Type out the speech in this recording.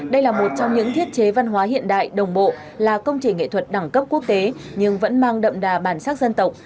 đây là một trong những thiết chế văn hóa hiện đại đồng bộ là công trình nghệ thuật đẳng cấp quốc tế nhưng vẫn mang đậm đà bản sắc dân tộc